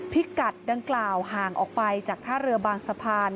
พิกัดดังกล่าวห่างออกไปจากท่าเรือบางสะพาน